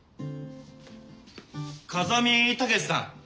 風見武志さん